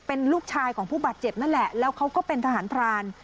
เป็นลูกชายของผู้บาดเจ็บนั่นแหละแล้วเขาก็เป็นทหารพราน